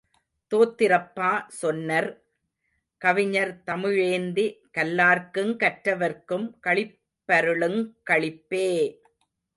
தோத்திரப்பா சொன்னர் கவிஞர் தமிழேந்தி கல்லார்க்குங் கற்றவர்க்கும் களிப்பருளுங் களிப்பே!